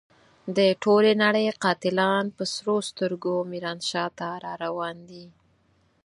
د ټولې نړۍ قاتلان په سرو سترګو ميرانشاه ته را روان دي.